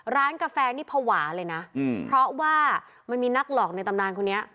ร้านกาแฟนี่ภาวะเลยนะเพราะว่ามันมีนักหลอกในตำนานคนนี้